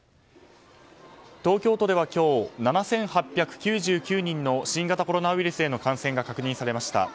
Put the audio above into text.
東京都では今日、７８９９人の新型コロナウイルスへの感染が確認されました。